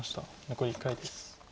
残り１回です。